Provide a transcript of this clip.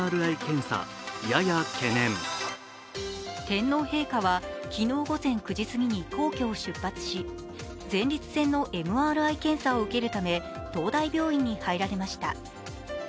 天皇陛下は昨日午前９時すぎに皇居を出発し、前立腺のＭＲＩ検査を受けるため東大病院に入られました。